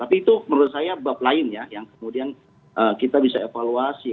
tapi itu menurut saya bab lain ya yang kemudian kita bisa evaluasi